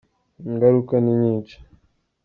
Ingaruka ni nyinshi.